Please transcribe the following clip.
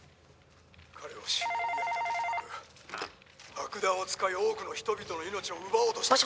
「爆弾を使い多くの人々の命を奪おうとした彼女には」